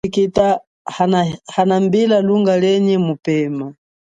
Tshikilikita hanambila lunga lienyi mupema.